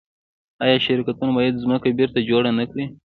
آیا شرکتونه باید ځمکه بیرته جوړه نکړي؟